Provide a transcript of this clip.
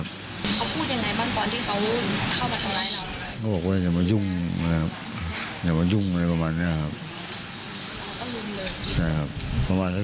ไม่มีครับถามว่ารู้สึกยังไงก็รู้สึกแบบเสียใจครับ